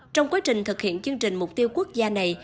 trong quá trình thực hiện chương trình mục tiêu quốc gia này